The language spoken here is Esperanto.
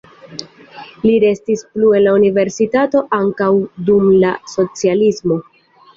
Li restis plu en la universitato ankaŭ dum la socialismo.